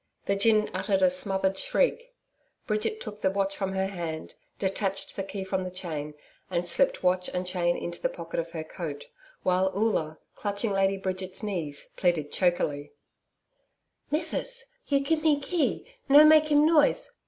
The gin uttered a smothered shriek. Bridget took the watch from her hand, detached the key from the chain, and slipped watch and chain into the pocket of her coat, while Oola, clutching Lady Bridget's knees, pleaded chokily: 'Mithsis you gib me key no make im noise.